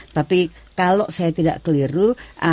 tapi kalau saya tidak keliru